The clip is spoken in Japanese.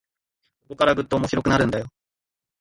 ここからぐっと面白くなるんだよ